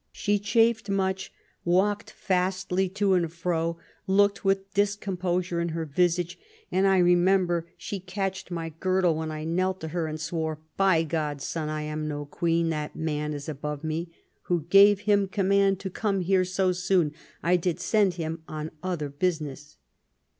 She chafed much, walked fastly to and fro, looked with discomposure in her visage ; and, I remember, she catched my girdle when I kneeled to her, and swore * By God's Son, I am no Queen. That man is above me. Who gave him command to come here so soon ? I did send him on other business.'